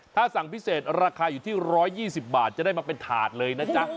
ถ้าสั่งพิเศษราคาอยู่ที่๑๒๐บาทจะได้มาเป็นถาดเลยนะจ๊ะ